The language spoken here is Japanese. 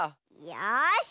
よし。